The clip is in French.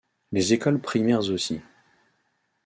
Les écoles primaires aussi.